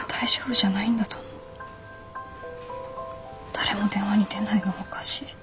誰も電話に出ないのおかしい。